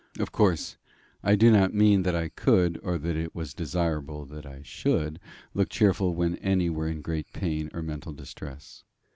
Of course, I do not mean that I could, or that it was desirable that I should, look cheerful when any were in great pain or mental distress.